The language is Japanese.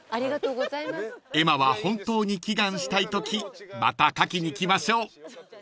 ［絵馬は本当に祈願したいときまた書きに来ましょう］